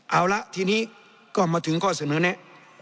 เอาละทีนี้ก็มาถึงข้อเสนอแนะ